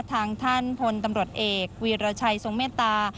ทางท่านพลตำรวจเอกวีรชัยทรงเมตตา